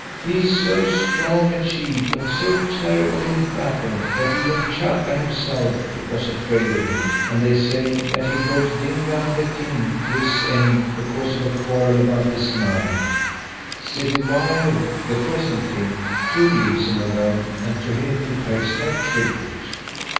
He is so strong a chief and so terrible in battle that even Chaka himself was afraid of him, and they say that he brought Dingaan the King to his end because of a quarrel about this Nada. Cetywayo, the present king, too leaves him alone and to him he pays no tribute."